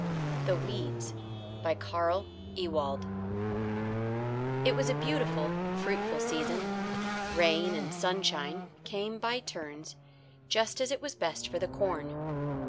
THE WEEDS CARL EWALD It was a beautiful, fruitful season. Rain and sunshine came by turns just as it was best for the corn.